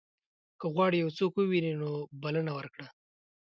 که غواړې یو څوک ووینې نو بلنه ورکړه.